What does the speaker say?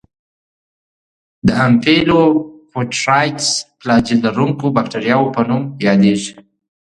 د امفیلوفوټرایکس فلاجیل لرونکو باکتریاوو په نوم یادیږي.